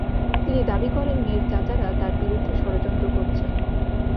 তিনি দাবি করেন, মেয়ের চাচারা তাঁর বিরুদ্ধে ষড়যন্ত্র করছেন।